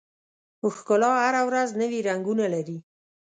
ښکلا هره ورځ نوي رنګونه لري.